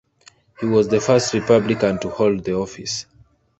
He was the first Republican to hold the office.